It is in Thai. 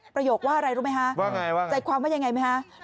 ประโยคว่าอะไรรู้ไหมฮะใจความว่ายังไงไหมฮะว่าไงว่าไง